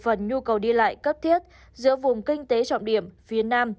về phần nhu cầu đi lại cấp thiết giữa vùng kinh tế trọng điểm phía nam